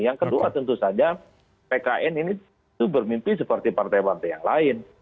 yang kedua tentu saja pkn ini itu bermimpi seperti partai partai yang lain